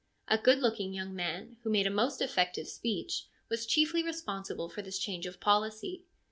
A good looking young man, who made a most effective speech, was chiefly responsible for this change of policy.